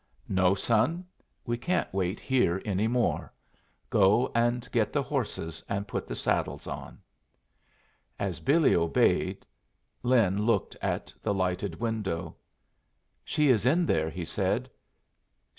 "No, son. We can't wait here any more. Go and get the horses and put the saddles on." As Billy obeyed, Lin looked at the lighted window. "She is in there," he said.